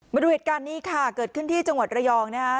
มาดูเหตุการณ์นี้ค่ะเกิดขึ้นที่จังหวัดระยองนะฮะ